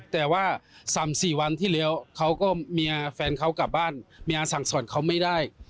แต่ว่า๓๔วันที่แล้วเขาก็เมียแฟนเขากลับบ้านเมียสั่งสอนเขาไม่ได้